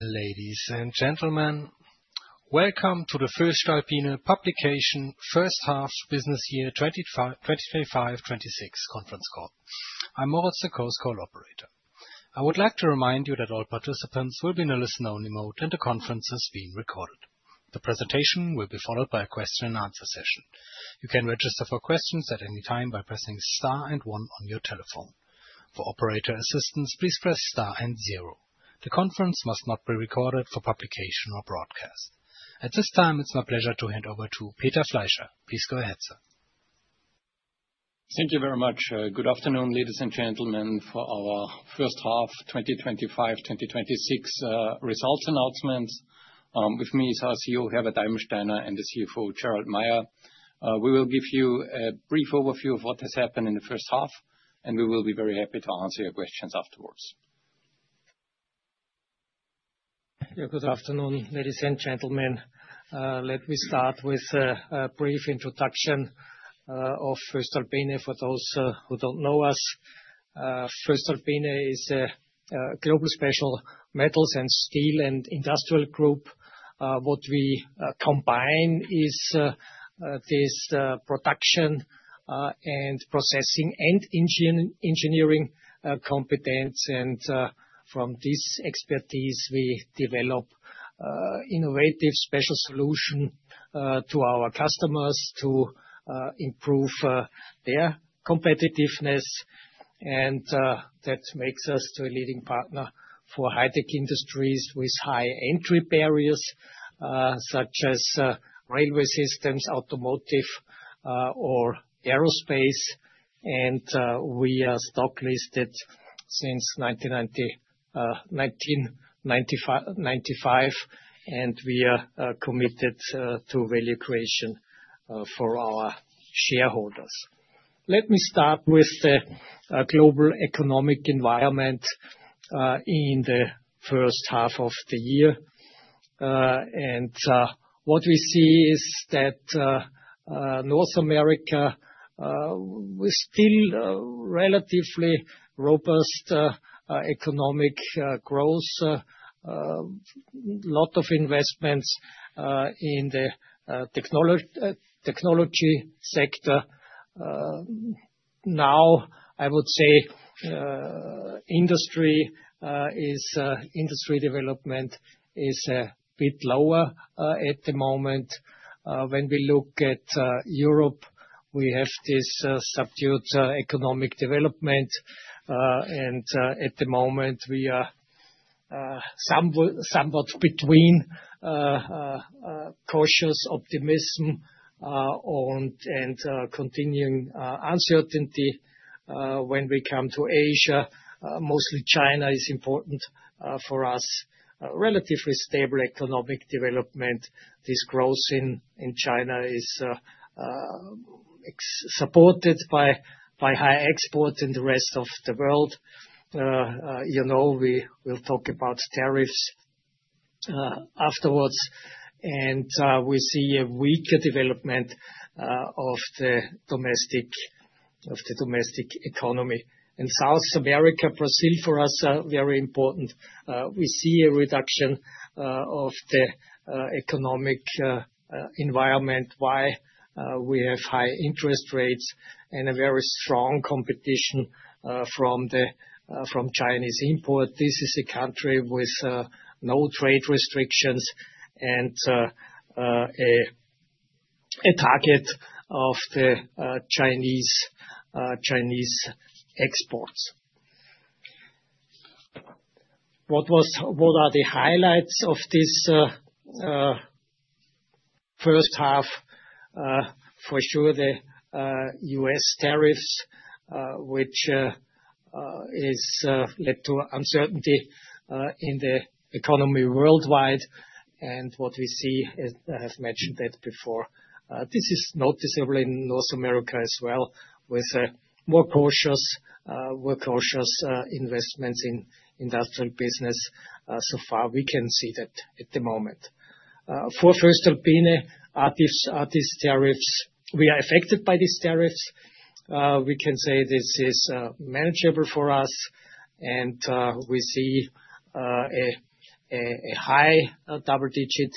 Ladies and gentlemen, welcome to the Voestalpine Publication First Half Business Year 2025-2026 Conference Call. I'm Moritz, the conference call operator. I would like to remind you that all participants will be in a listen-only mode and the conference has been recorded. The presentation will be followed by a question-and-answer session. You can register for questions at any time by pressing star and one on your telephone. For operator assistance, please press star and zero. The conference must not be recorded for publication or broadcast. At this time, it's my pleasure to hand over to Peter Fleischer. Please go ahead, sir. Thank you very much. Good afternoon, ladies and gentlemen, for our first half 2025-2026 results announcements. With me is our CEO, Herbert Eibensteiner, and the CFO, Gerald Mayer. We will give you a brief overview of what has happened in the first half, and we will be very happy to answer your questions afterwards. Good afternoon, ladies and gentlemen. Let me start with a brief introduction of Voestalpine for those who don't know us. Voestalpine is a global special metals and steel and industrial group. What we combine is this production and processing and engineering competence, and from this expertise, we develop innovative special solutions to our customers to improve their competitiveness, and that makes us a leading partner for high-tech industries with high entry barriers, such as railway systems, automotive, or aerospace, and we are stock-listed since 1995, and we are committed to value creation for our shareholders. Let me start with the global economic environment in the first half of the year, and what we see is that North America was still relatively robust economic growth, a lot of investments in the technology sector. Now, I would say industry development is a bit lower at the moment. When we look at Europe, we have this subdued economic development, and at the moment, we are somewhat between cautious optimism and continuing uncertainty. When we come to Asia, mostly China is important for us. Relatively stable economic development, this growth in China is supported by high exports in the rest of the world. We will talk about tariffs afterwards, and we see a weaker development of the domestic economy. And South America, Brazil, for us, are very important. We see a reduction of the economic environment, why we have high interest rates and a very strong competition from Chinese imports. This is a country with no trade restrictions and a target of the Chinese exports. What are the highlights of this first half? For sure, the U.S. tariffs, which have led to uncertainty in the economy worldwide. And what we see, I have mentioned that before. This is noticeable in North America as well, with more cautious investments in industrial business. So far, we can see that at the moment. For Voestalpine, we are affected by these tariffs. We can say this is manageable for us, and we see a high double-digit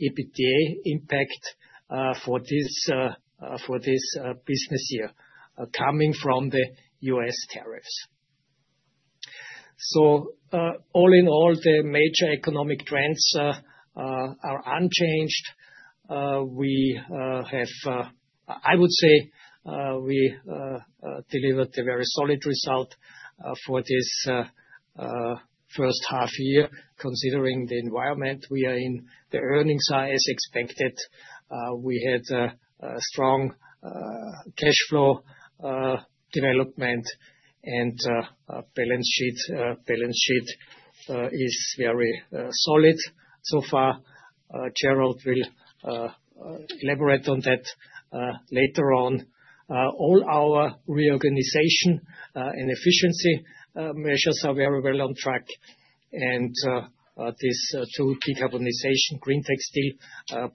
EBITDA impact for this business year coming from the U.S. tariffs. So all in all, the major economic trends are unchanged. I would say we delivered a very solid result for this first half year, considering the environment we are in. The earnings are as expected. We had a strong cash flow development, and the balance sheet is very solid so far. Gerald will elaborate on that later on. All our reorganization and efficiency measures are very well on track, and these two decarbonization greentec steel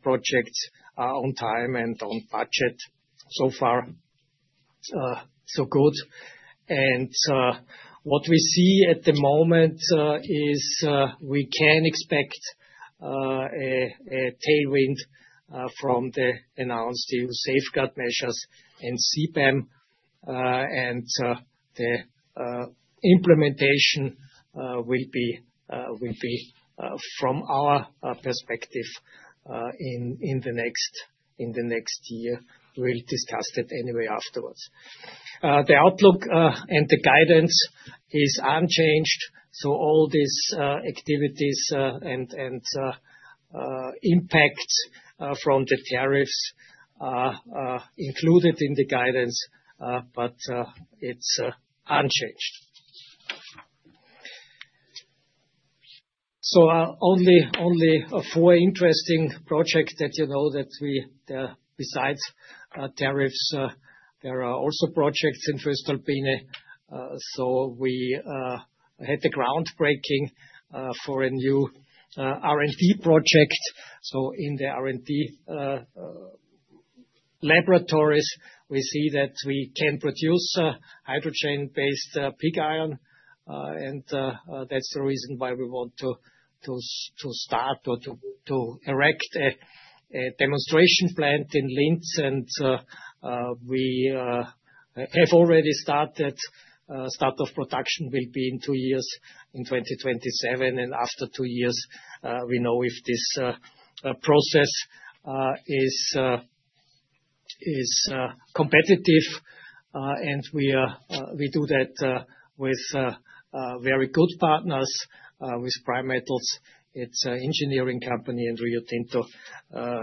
projects are on time and on budget. So far, so good. What we see at the moment is we can expect a tailwind from the announced safeguard measures and CBAM, and the implementation will be, from our perspective, in the next year. We'll discuss that anyway afterwards. The outlook and the guidance is unchanged. All these activities and impacts from the tariffs are included in the guidance, but it's unchanged. Only four interesting projects that you know that besides tariffs, there are also projects in Voestalpine. We had the groundbreaking for a new R&D project. In the R&D laboratories, we see that we can produce hydrogen-based pig iron, and that's the reason why we want to start or to erect a demonstration plant in Linz. We have already started. Start of production will be in two years, in 2027, and after two years, we know if this process is competitive. We do that with very good partners, with Primetals. It's an engineering company, and Rio Tinto,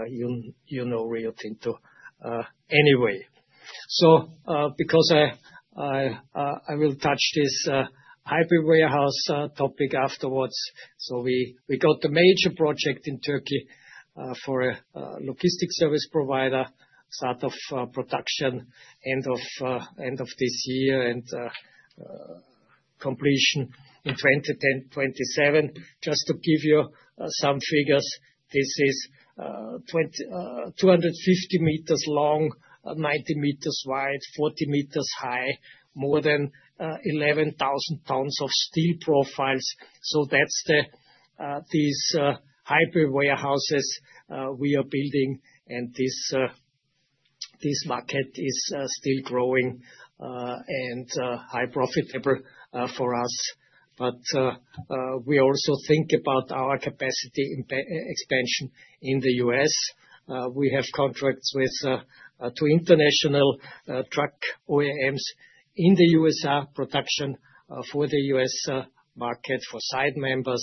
you know Rio Tinto anyway. Because I will touch this high-bay warehouse topic afterwards, we got the major project in Turkey for a logistics service provider, start of production end of this year and completion in 2027. Just to give you some figures, this is 250 meters long, 90 meters wide, 40 meters high, more than 11,000 tons of steel profiles. That's these high-bay warehouses we are building, and this market is still growing and highly profitable for us. We also think about our capacity expansion in the U.S.. We have contracts with two international truck OEMs in the U.S.A., production for the U.S. market for side members.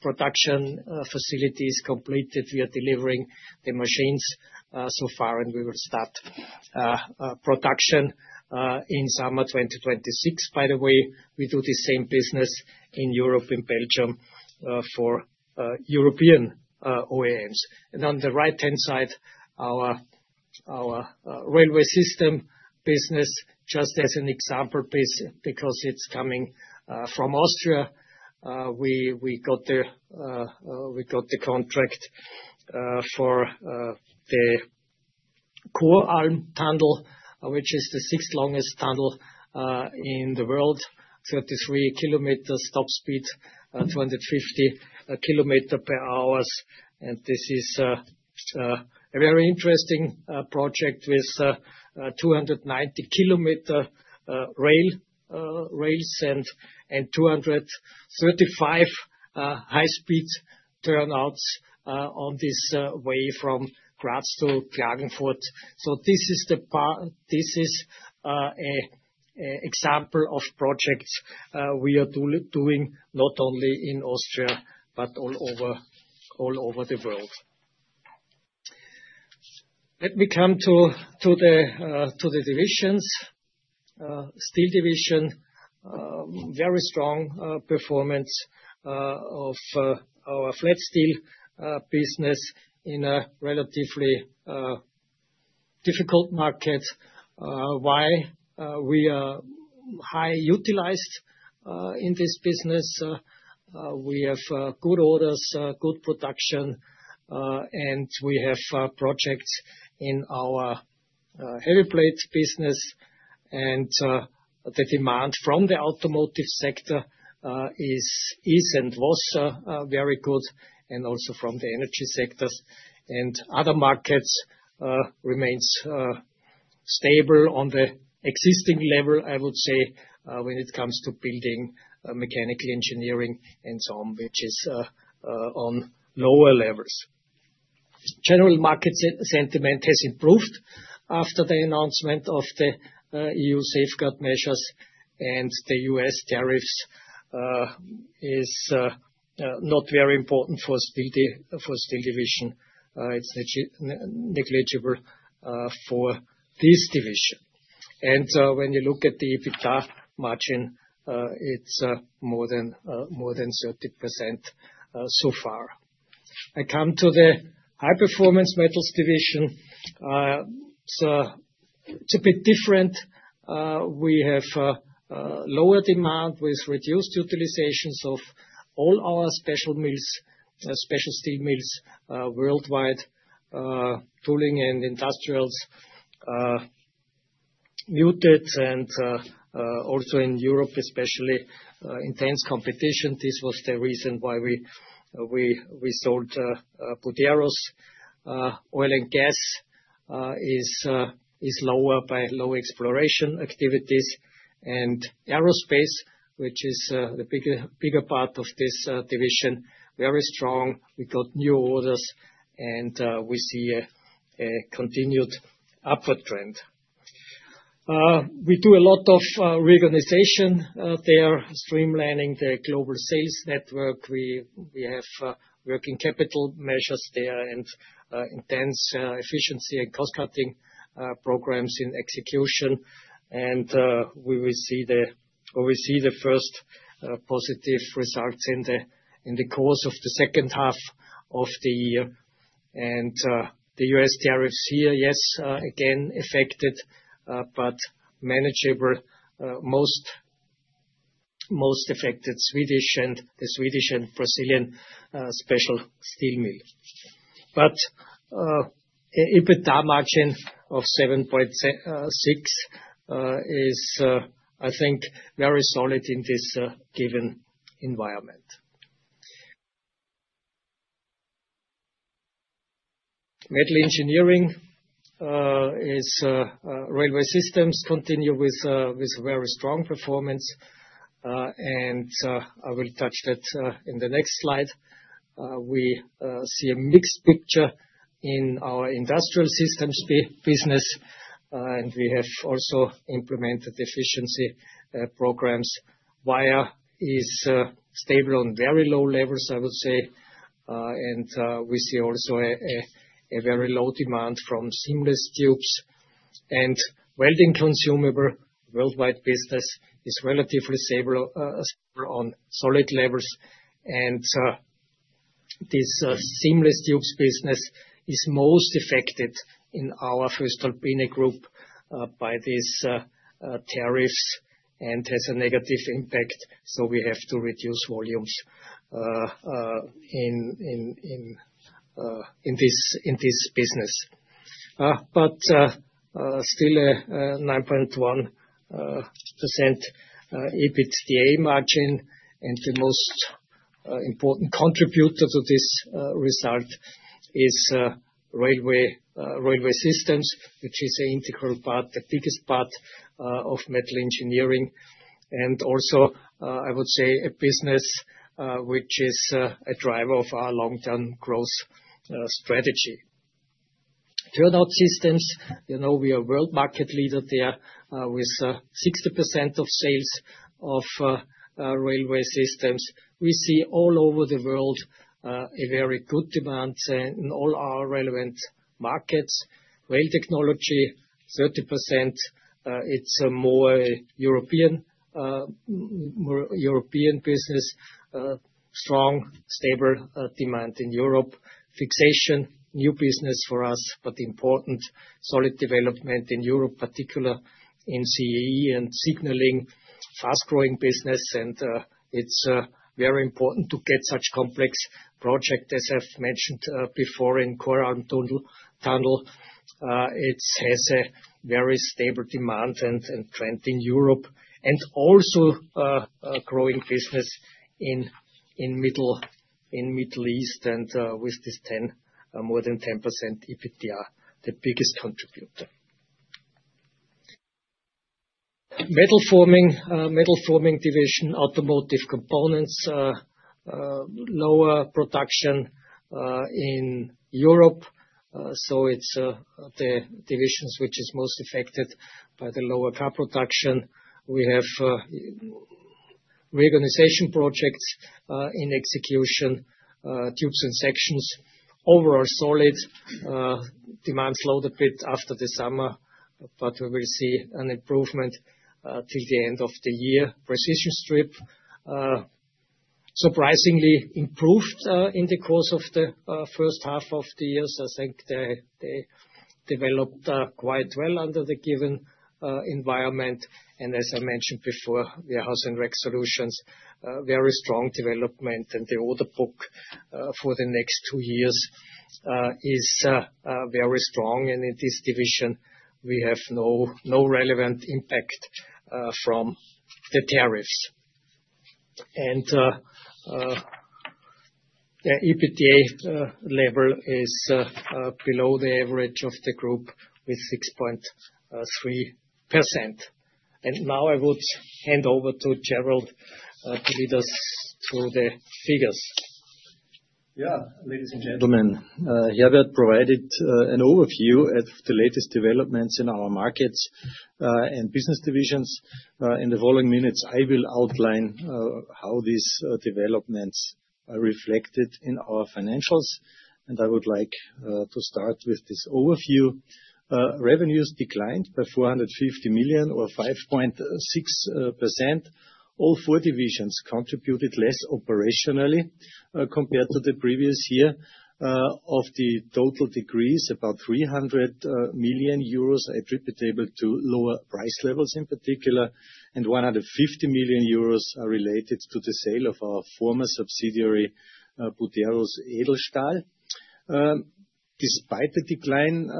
Production facility is completed. We are delivering the machines so far, and we will start production in summer 2026. By the way, we do the same business in Europe and Belgium for European OEMs, and on the right-hand side, our railway system business, just as an example, because it's coming from Austria, we got the contract for the Koralm Tunnel, which is the sixth longest tunnel in the world, 33 km top speed, 250 km per hour, and this is a very interesting project with 290 km rails and 235 high-speed turnouts on this way from Graz to Klagenfurt, so this is an example of projects we are doing not only in Austria, but all over the world. Let me come to the divisions. Steel division, very strong performance of our flat steel business in a relatively difficult market. Why? We are highly utilized in this business. We have good orders, good production, and we have projects in our heavy plate business. The demand from the automotive sector is and was very good, and also from the energy sectors and other markets remains stable on the existing level, I would say, when it comes to building mechanical engineering and so on, which is on lower levels. General market sentiment has improved after the announcement of the E.U. safeguard measures, and the U.S. tariffs are not very important for Steel Division. It's negligible for this division. When you look at the EBITDA margin, it's more than 30% so far. I come to the High Performance Metals Division. It's a bit different. We have lower demand with reduced utilizations of all our special mills, special steel mills worldwide, tooling and industrials muted, and also in Europe, especially intense competition. This was the reason why we sold Buderus. Oil and gas is lower by low exploration activities, and aerospace, which is the bigger part of this division, very strong. We got new orders, and we see a continued upward trend. We do a lot of reorganization there, streamlining the global sales network. We have working capital measures there and intense efficiency and cost-cutting programs in execution. We will see the first positive results in the course of the second half of the year. The U.S. tariffs here, yes, again, affected, but manageable. Most affected the Swedish and Brazilian special steel mill. But EBITDA margin of 7.6% is, I think, very solid in this given environment. Metal Engineering. Railway Systems continue with very strong performance, and I will touch that in the next slide. We see a mixed picture in our industrial systems business, and we have also implemented efficiency programs. Wire is stable on very low levels, I would say, and we see also a very low demand from seamless tubes. And welding consumable worldwide business is relatively stable on solid levels. And this seamless tubes business is most affected in our Voestalpine Group by these tariffs and has a negative impact. So we have to reduce volumes in this business. But still a 9.1% EBITDA margin, and the most important contributor to this result is railway systems, which is an integral part, the biggest part of Metal Engineering. And also, I would say, a business which is a driver of our long-term growth strategy. Turnout Systems, we are a world market leader there with 60% of sales of railway systems. We see all over the world a very good demand in all our relevant markets. Rail Technology, 30%. It's more European business, strong, stable demand in Europe. Fixation, new business for us, but important. Solid development in Europe, particularly in CEE and Signaling, fast-growing business, and it's very important to get such complex projects, as I've mentioned before, in Koralm Tunnel. It has a very stable demand and trend in Europe, and also growing business in the Middle East and with this 10%, more than 10% EBITDA, the biggest contributor. Metal Forming Division, Automotive Components, lower production in Europe, so it's the divisions which are most affected by the lower car production. We have reorganization projects in execution, Tubes & Sections. Overall, solid. Demand slowed a bit after the summer, but we will see an improvement till the end of the year. Precision Strip, surprisingly improved in the course of the first half of the year, so I think they developed quite well under the given environment. As I mentioned before, Warehouse & Rack Solutions, very strong development, and the order book for the next two years is very strong. In this division, we have no relevant impact from the tariffs. The EBITDA level is below the average of the group with 6.3%. Now I would hand over to Gerald to lead us through the figures. Yeah, ladies and gentlemen, Herbert provided an overview of the latest developments in our markets and business divisions. In the following minutes, I will outline how these developments are reflected in our financials. I would like to start with this overview. Revenues declined by 450 million or 5.6%. All four divisions contributed less operationally compared to the previous year. Of the total decrease, about 300 million euros is attributable to lower price levels in particular, and 150 million euros is related to the sale of our former subsidiary, Buderus Edelstahl. Despite the decline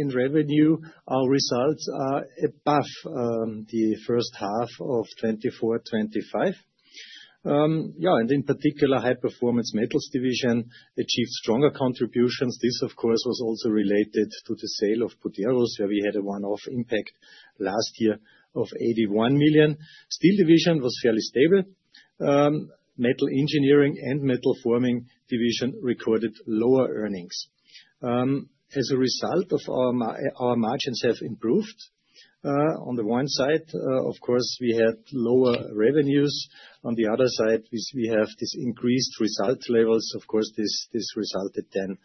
in revenue, our results are above the first half of 2024-2025. Yeah, and in particular, High Performance Metals Division achieved stronger contributions. This, of course, was also related to the sale of Buderus, where we had a one-off impact last year of 81 million. Steel Division was fairly stable. Metal Engineering Division and Metal Forming Division recorded lower earnings. As a result, our margins have improved. On the one side, of course, we had lower revenues. On the other side, we have this increased result levels. Of course, this resulted then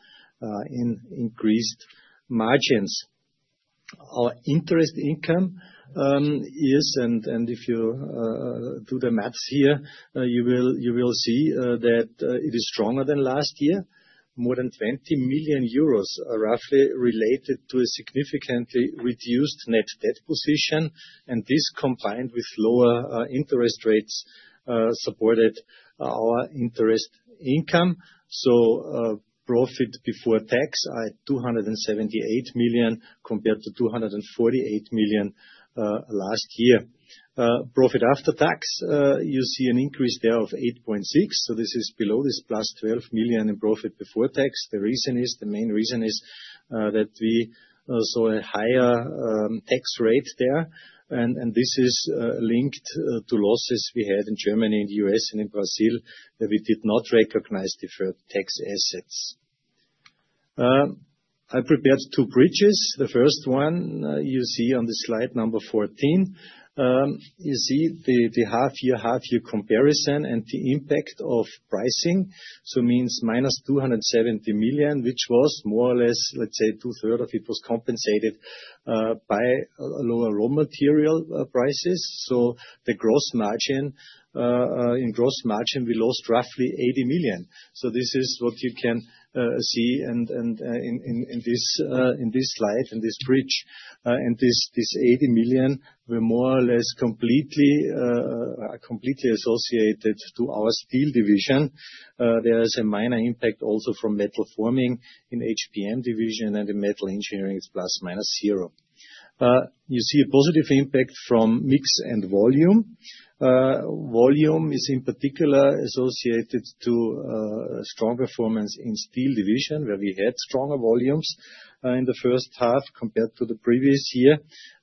in increased margins. Our interest income is, and if you do the math here, you will see that it is stronger than last year. More than 20 million euros are roughly related to a significantly reduced net debt position, and this combined with lower interest rates supported our interest income. Profit before tax is 278 million compared to 248 million last year. Profit after tax, you see an increase there of 8.6%, so this is below this +12 million in profit before tax. The main reason is that we saw a higher tax rate there, and this is linked to losses we had in Germany, in the U.S., and in Brazil that we did not recognize the tax assets. I prepared two bridges. The first one you see on the slide number 14, you see the half-year-half-year comparison and the impact of pricing. It means -270 million, which was more or less, let's say, two-thirds of it was compensated by lower raw material prices. The gross margin, in gross margin, we lost roughly 80 million. This is what you can see in this slide, in this bridge. This 80 million were more or less completely associated to our Steel Division. There is a minor impact also from Metal Forming in HPM Division and in Metal Engineering, it's plus minus zero. You see a positive impact from mix and volume. Volume is in particular associated to strong performance in Steel Division, where we had stronger volumes in the first half compared to the previous year.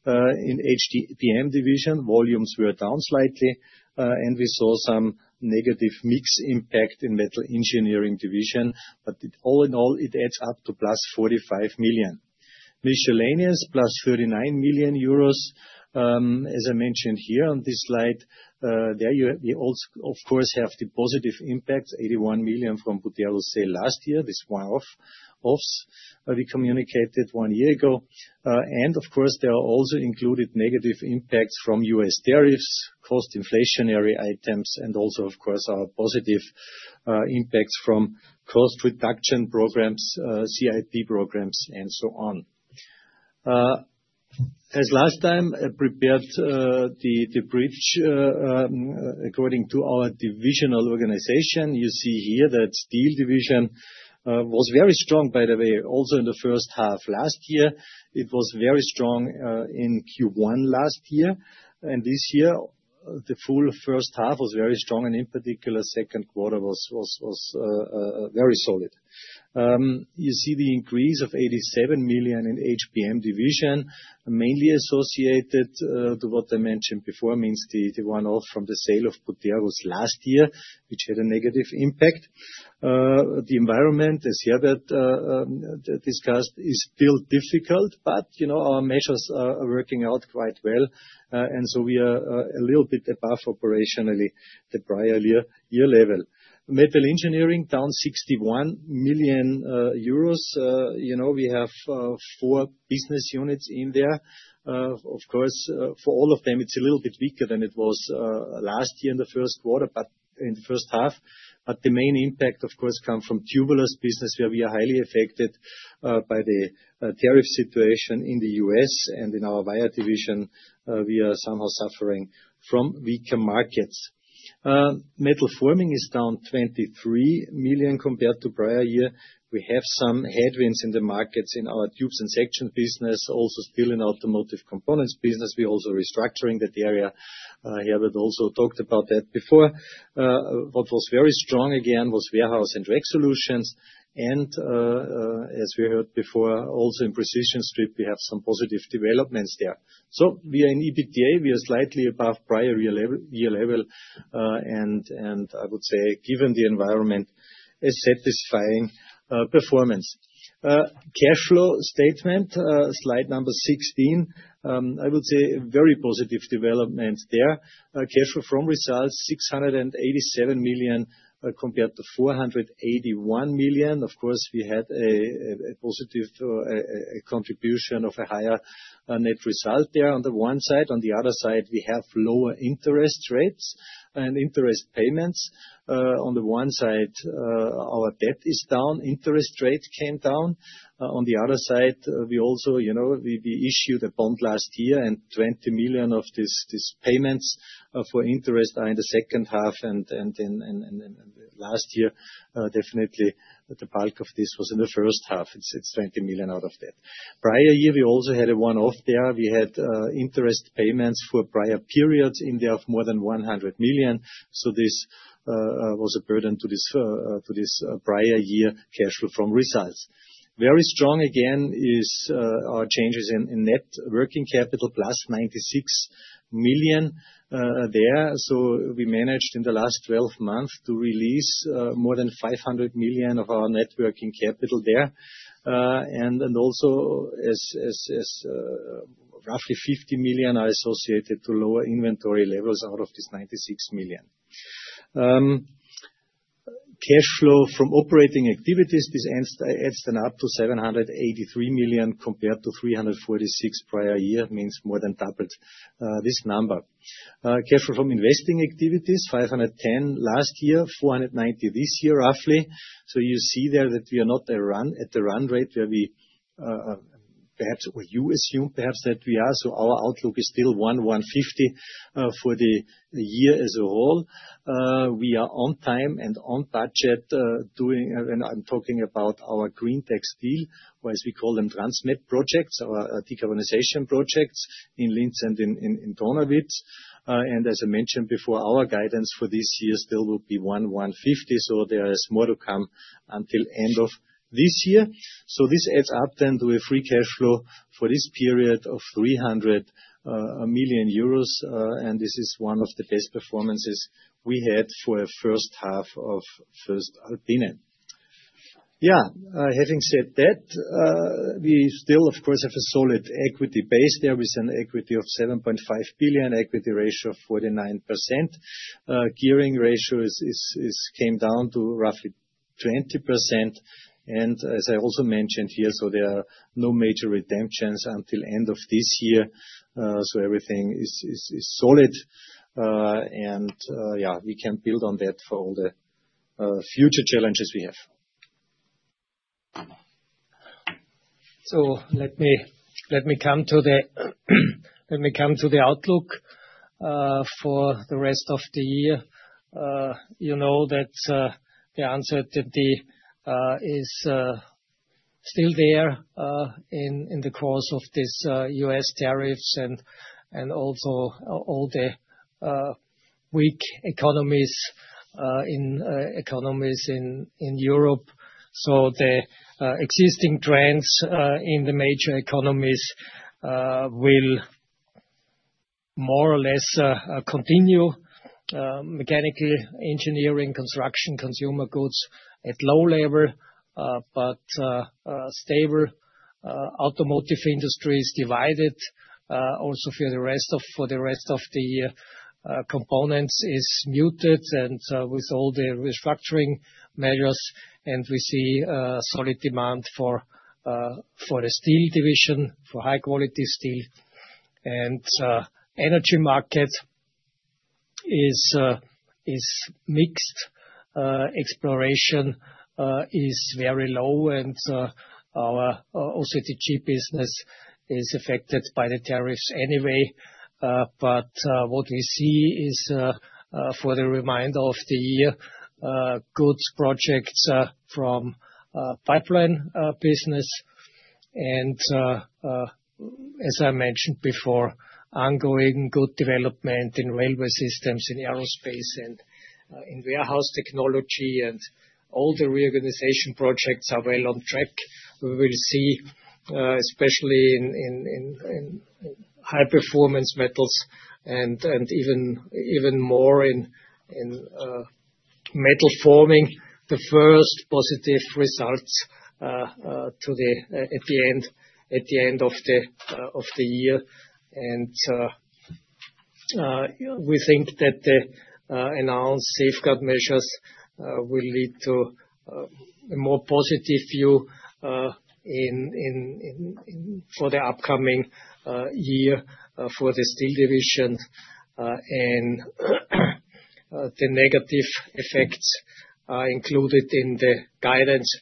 In HPM Division, volumes were down slightly, and we saw some negative mix impact in Metal Engineering Division. All in all, it adds up to +45 million. Miscellaneous is +39 million euros, as I mentioned here on this slide. There you also, of course, have the positive impacts, 81 million EUR from Buderus last year, this one-offs we communicated one year ago, and of course, there are also included negative impacts from U.S. tariffs, cost inflationary items, and also, of course, our positive impacts from cost reduction programs, CIP programs, and so on. As last time, I prepared the bridge according to our divisional organization. You see here that Steel Division was very strong, by the way, also in the first half last year. It was very strong in Q1 last year, and this year, the full first half was very strong, and in particular, second quarter was very solid. You see the increase of 87 million in HPM Division, mainly associated to what I mentioned before, means the one-off from the sale of Buderus last year, which had a negative impact. The environment, as Herbert discussed, is still difficult, but our measures are working out quite well. And so we are a little bit above operationally the prior year level. Metal Engineering, down 61 million euros. We have four business units in there. Of course, for all of them, it's a little bit weaker than it was last year in the first quarter, but in the first half. But the main impact, of course, comes from tubular business, where we are highly affected by the tariff situation in the U.S. And in our Wire Division, we are somehow suffering from weaker markets. Metal Forming is down 23 million compared to prior year. We have some headwinds in the markets in our tubes and section business, also still in Automotive Components business. We're also restructuring that area. Herbert also talked about that before. What was very strong again was Warehouse & Rack Solutions. And as we heard before, also in Precision Strip, we have some positive developments there. So we are in EBITDA. We are slightly above prior year level. And I would say, given the environment, a satisfying performance. Cash flow statement, slide number 16. I would say a very positive development there. Cash flow from results, 687 million compared to 481 million. Of course, we had a positive contribution of a higher net result there on the one side. On the other side, we have lower interest rates and interest payments. On the one side, our debt is down. Interest rate came down. On the other side, we also issued a bond last year, and 20 million of these payments for interest are in the second half, and last year, definitely the bulk of this was in the first half. It's 20 million out of debt. Prior year, we also had a one-off there. We had interest payments for prior periods in there of more than 100 million. So this was a burden to this prior year cash flow from results. Very strong again is our changes in net working capital, +96 million there, so we managed in the last 12 months to release more than 500 million of our net working capital there, and also, roughly 50 million are associated to lower inventory levels out of this 96 million. Cash flow from operating activities this adds then up to 783 million compared to 346 million prior year, means more than doubled this number. Cash flow from investing activities, 510 million last year, 490 million this year, roughly. You see there that we are not at the run rate where we perhaps, or you assume perhaps that we are. Our outlook is still 1,150 million for the year as a whole. We are on time and on budget doing, and I'm talking about our greentec steel, or as we call them, transformation projects or decarbonization projects in Linz and in Donawitz. As I mentioned before, our guidance for this year still will be 1,150 million. There is more to come until end of this year. This adds up then to a free cash flow for this period of 300 million euros. This is one of the best performances we had for our first half of the fiscal year. Yeah, having said that, we still, of course, have a solid equity base there. We have an equity of 7.5 billion, equity ratio of 49%. Gearing ratio came down to roughly 20%. As I also mentioned here, there are no major redemptions until the end of this year. Everything is solid. Yeah, we can build on that for all the future challenges we have. Let me come to the outlook for the rest of the year. You know that the uncertainty is still there in the course of these U.S. tariffs and also all the weak economies in Europe, so the existing trends in the major economies will more or less continue. Mechanical engineering, construction, consumer goods at low level, but stable. Automotive industry is divided also for the rest of the year. Components is muted and with all the restructuring measures. We see solid demand for the Steel Division, for high-quality steel. The energy market is mixed. Exploration is very low and our OCTG business is affected by the tariffs anyway. What we see is for the remainder of the year, good projects from pipeline business. As I mentioned before, ongoing good development in railway systems, in aerospace, and in warehouse technology, and all the reorganization projects are well on track. We will see, especially in high-performance metals and even more in Metal Forming, the first positive results at the end of the year, and we think that the announced safeguard measures will lead to a more positive view for the upcoming year for the steel division, and the negative effects are included in the guidance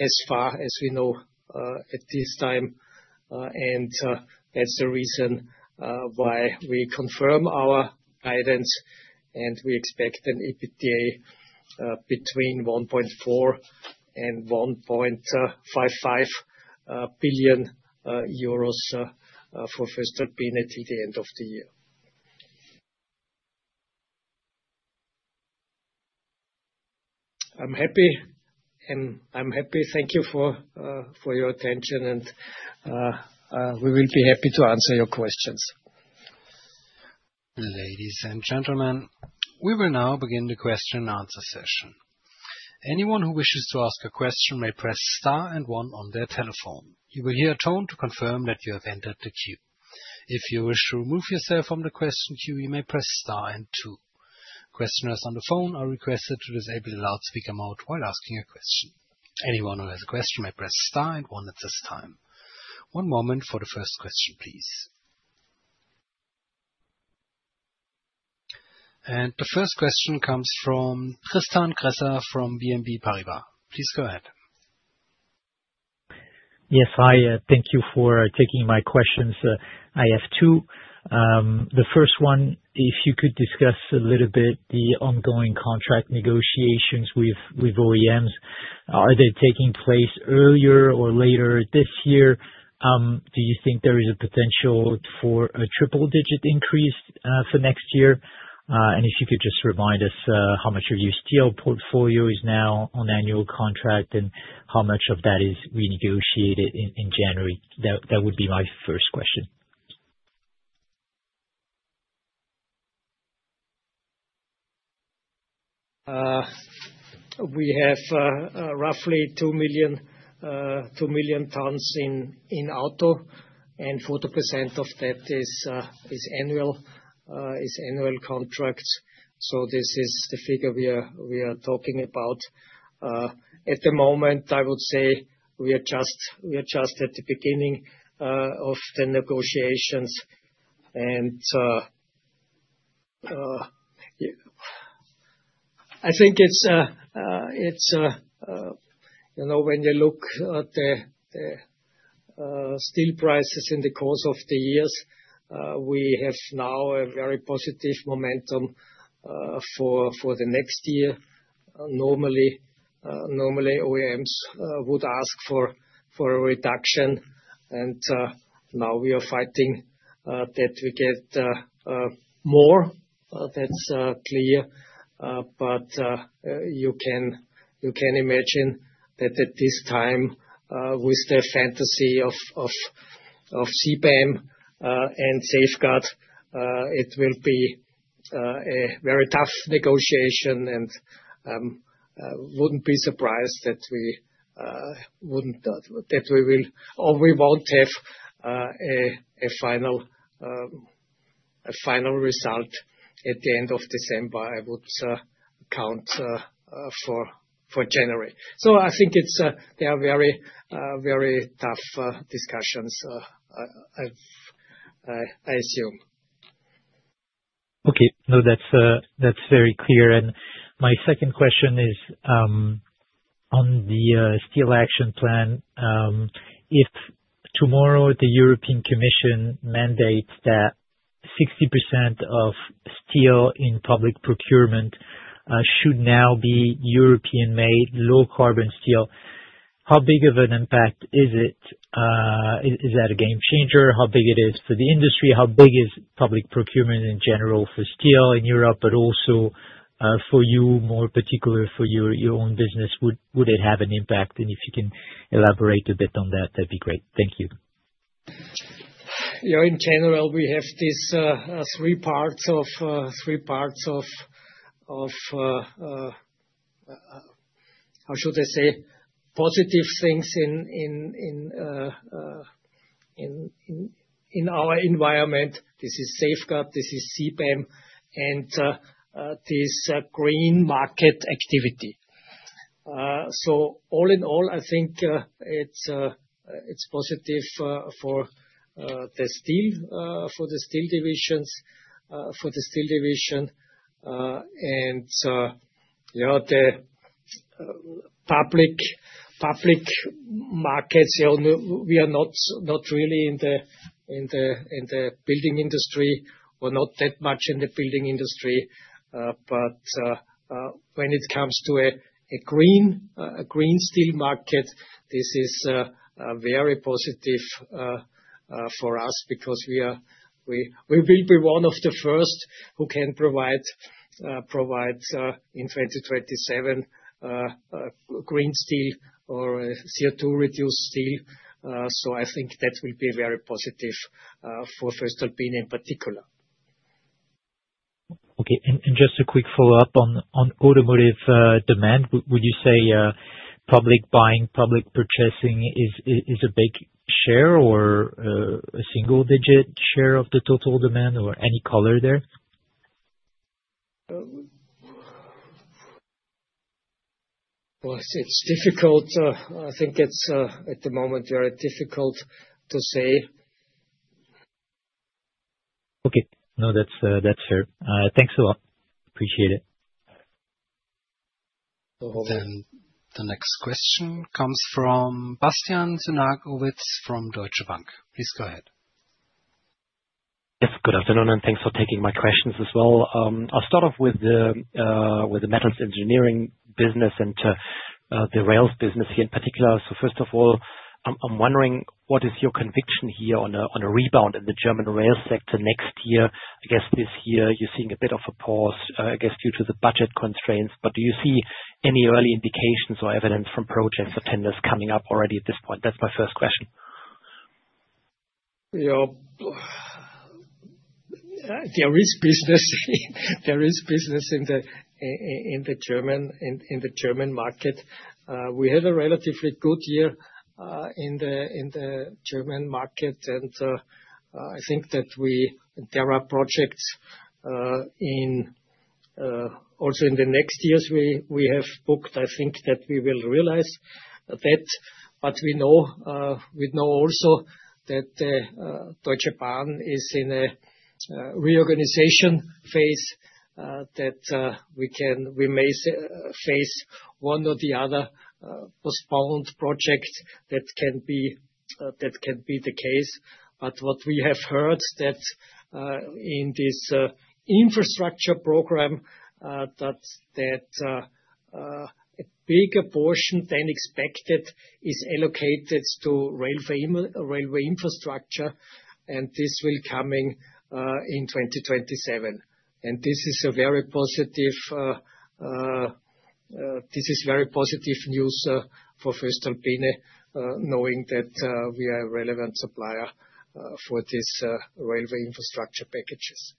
as far as we know at this time, and that's the reason why we confirm our guidance and we expect an EBITDA between 1.4 billion and EUR 1.55 billion for FY 2024 at the end of the year. I'm happy. Thank you for your attention and we will be happy to answer your questions. Ladies and gentlemen, we will now begin the question-and-answer session. Anyone who wishes to ask a question may press star and one on their telephone. You will hear a tone to confirm that you have entered the queue. If you wish to remove yourself from the question queue, you may press star and two. Questioners on the phone are requested to disable the loudspeaker mode while asking a question. Anyone who has a question may press star and one at this time. One moment for the first question, please. And the first question comes from Tristan Gresser from BNP Paribas. Please go ahead. Yes, hi. Thank you for taking my questions. I have two. The first one, if you could discuss a little bit the ongoing contract negotiations with OEMs. Are they taking place earlier or later this year? Do you think there is a potential for a triple-digit increase for next year? And if you could just remind us how much of your steel portfolio is now on annual contract and how much of that is renegotiated in January. That would be my first question. We have roughly 2 million tons in auto, and 40% of that is annual contracts, so this is the figure we are talking about. At the moment, I would say we are just at the beginning of the negotiations, and I think it's when you look at the steel prices in the course of the years, we have now a very positive momentum for the next year. Normally, OEMs would ask for a reduction, and now we are fighting that we get more. That's clear, but you can imagine that at this time, with the fantasy of CBAM and safeguard, it will be a very tough negotiation, and I wouldn't be surprised that we wouldn't or we won't have a final result at the end of December. I would count for January, so I think they are very tough discussions, I assume. Okay. No, that's very clear. My second question is on the steel action plan. If tomorrow the European Commission mandates that 60% of steel in public procurement should now be European-made, low-carbon steel, how big of an impact is it? Is that a game changer? How big it is for the industry? How big is public procurement in general for steel in Europe, but also for you, more particularly for your own business? Would it have an impact? And if you can elaborate a bit on that, that'd be great. Thank you. Yeah, in general, we have these three parts of, how should I say, positive things in our environment. This is safeguard, this is CBAM, and this green market activity. So all in all, I think it's positive for the steel divisions. Yeah, the public markets, we are not really in the building industry. We're not that much in the building industry. But when it comes to a green steel market, this is very positive for us because we will be one of the first who can provide in 2027 green steel or CO2-reduced steel. So I think that will be very positive for Voestalpine in particular. Okay. And just a quick follow-up on automotive demand. Would you say public buying, public purchasing is a big share or a single-digit share of the total demand or any color there? Well, it's difficult. I think at the moment, very difficult to say. Okay. No, that's fair. Thanks a lot. Appreciate it. The next question comes from Bastian Synagowitz from Deutsche Bank. Please go ahead. Yes. Good afternoon, and thanks for taking my questions as well. I'll start off with the metals engineering business and the rails business here in particular. So first of all, I'm wondering, what is your conviction here on a rebound in the German rail sector next year? I guess this year, you're seeing a bit of a pause, I guess, due to the budget constraints. But do you see any early indications or evidence from projects or tenders coming up already at this point? That's my first question. Yeah. There is business in the German market. We had a relatively good year in the German market, and I think that there are projects also in the next years we have booked. I think that we will realize that. But we know also that Deutsche Bahn is in a reorganization phase that we may face one or the other postponed project that can be the case. But what we have heard that in this infrastructure program, that a bigger portion than expected is allocated to railway infrastructure, and this will be coming in 2027. And this is a very positive news for Voestalpine, knowing that we are a relevant supplier for these railway infrastructure packages.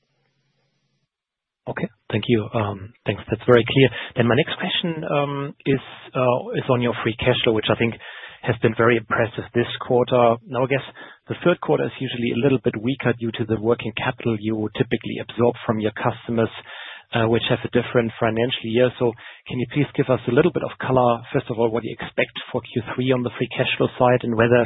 Okay. Thank you. Thanks. That's very clear. Then my next question is on your free cash flow, which I think has been very impressive this quarter. Now, I guess the third quarter is usually a little bit weaker due to the working capital you typically absorb from your customers, which have a different financial year. So can you please give us a little bit of color, first of all, what you expect for Q3 on the free cash flow side and whether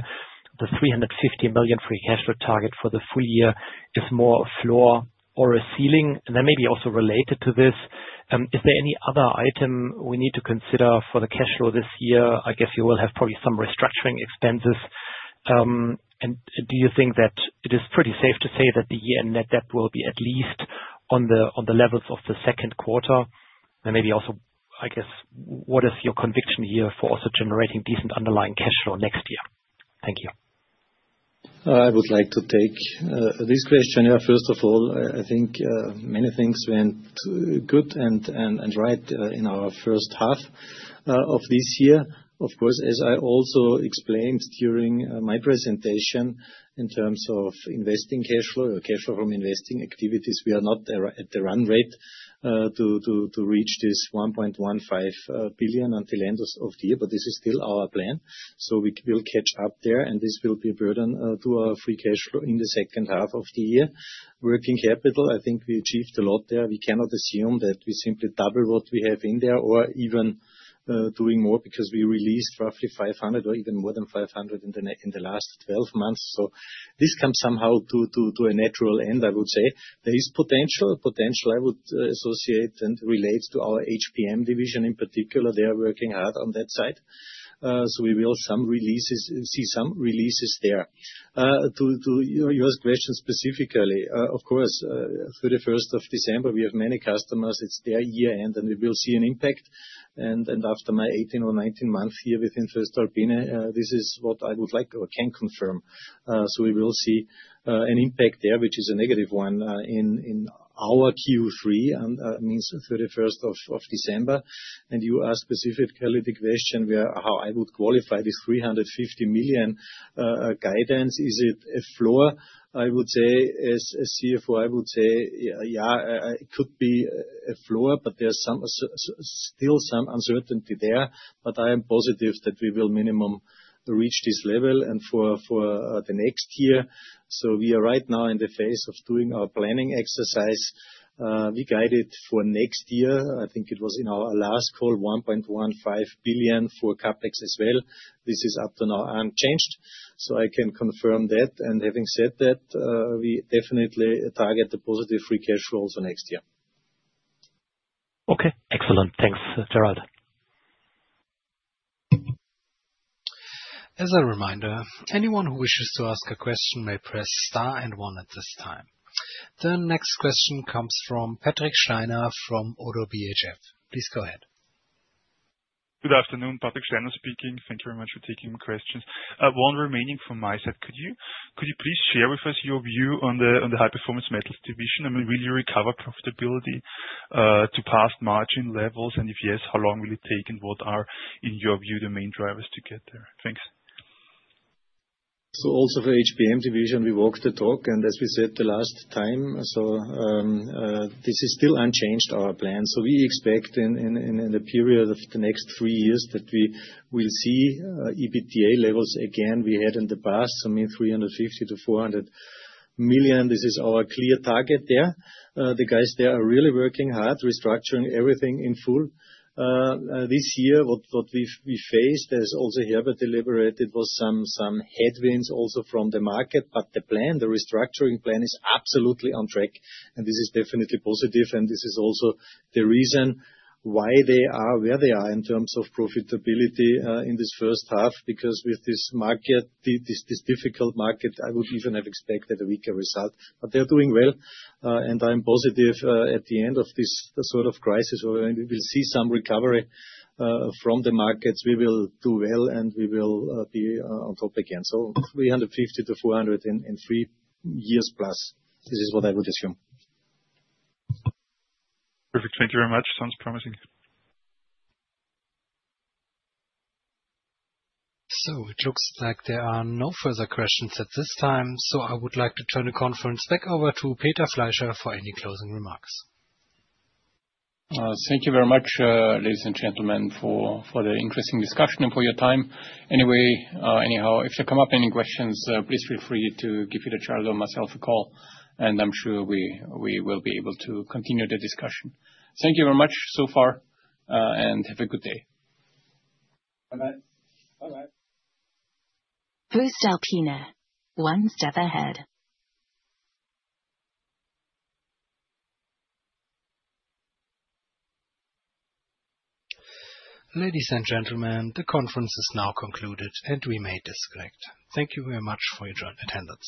the 350 million free cash flow target for the full year is more a floor or a ceiling? And then maybe also related to this, is there any other item we need to consider for the cash flow this year? I guess you will have probably some restructuring expenses. And do you think that it is pretty safe to say that the year-end net debt will be at least on the levels of the second quarter? And maybe also, I guess, what is your conviction here for also generating decent underlying cash flow next year? Thank you. I would like to take this question. Yeah, first of all, I think many things went good and right in our first half of this year. Of course, as I also explained during my presentation, in terms of investing cash flow or cash flow from investing activities, we are not at the run rate to reach this 1.15 billion until the end of the year, but this is still our plan. So we will catch up there, and this will be a burden to our free cash flow in the second half of the year. Working capital, I think we achieved a lot there. We cannot assume that we simply double what we have in there or even doing more because we released roughly 500 or even more than 500 in the last 12 months. So this comes somehow to a natural end, I would say. There is potential. Potential, I would associate and relate to our HPM Division in particular. They are working hard on that side. So we will see some releases there. To your question specifically, of course, through the first of December, we have many customers. It's their year-end, and we will see an impact. And after my 18 or 19 months here within Voestalpine, this is what I would like or can confirm. So we will see an impact there, which is a negative one in our Q3, means through the 1st of December. And you asked specifically the question how I would qualify this 350 million guidance. Is it a floor? I would say, as CFO, I would say, yeah, it could be a floor, but there's still some uncertainty there. But I am positive that we will minimum reach this level and for the next year. So we are right now in the phase of doing our planning exercise. We guided for next year. I think it was in our last call, 1.15 billion for CapEx as well. This is up to now unchanged. So I can confirm that. And having said that, we definitely target the positive free cash flow also next year. Okay. Excellent. Thanks, Gerald. As a reminder, anyone who wishes to ask a question may press star and one at this time. The next question comes from Patrick Steiner from ODDO BHF. Please go ahead. Good afternoon. Patrick Steiner speaking. Thank you very much for taking my questions. One remaining from my side. Could you please share with us your view on the High Performance Metals Division? I mean, will you recover profitability to past margin levels? And if yes, how long will it take? And what are, in your view, the main drivers to get there? Thanks. So also for HPM Division, we walked the talk. And as we said the last time, so this is still unchanged, our plan. So we expect in the period of the next three years that we will see EBITDA levels again. We had in the past, I mean, 350 million-400 million. This is our clear target there. The guys there are really working hard, restructuring everything in full this year. What we faced, as also Herbert elaborated, was some headwinds also from the market, but the plan, the restructuring plan, is absolutely on track, and this is definitely positive. And this is also the reason why they are where they are in terms of profitability in this first half, because with this difficult market, I would even have expected a weaker result. But they're doing well, and I'm positive at the end of this sort of crisis, we will see some recovery from the markets. We will do well, and we will be on top again. So 350 million-400 million in three years plus. This is what I would assume. Perfect. Thank you very much. Sounds promising. So it looks like there are no further questions at this time. So I would like to turn the conference back over to Peter Fleischer for any closing remarks. Thank you very much, ladies and gentlemen, for the interesting discussion and for your time. Anyway, anyhow, if there come up any questions, please feel free to give either Gerald or myself a call. And I'm sure we will be able to continue the discussion. Thank you very much so far, and have a good day. Bye-bye. Bye-bye. Voestalpine, one step ahead. Ladies and gentlemen, the conference is now concluded, and we may disconnect. Thank you very much for your joint attendance.